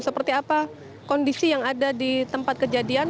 seperti apa kondisi yang ada di tempat kejadian